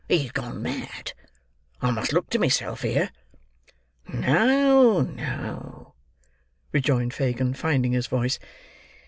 "He's gone mad. I must look to myself here." "No, no," rejoined Fagin, finding his voice.